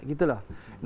jadi kita bisa bergabung